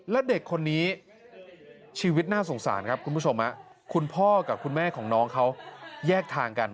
และเด็กคนนี้ชีวิตน่าสงสารครับคุณผู้ชมคุณพ่อกับคุณแม่ของน้องเขาแยกทางกัน